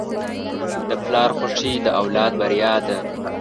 د پلار خوښي د اولاد بریا ده.